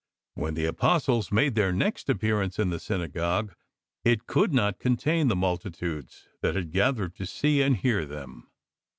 When the Apostles made their next appearance in the synagogue it could not contain the multitudes that had gathered to see and hear them.